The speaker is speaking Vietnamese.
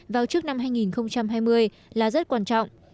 vào trước năm hai nghìn hai mươi là rất quan trọng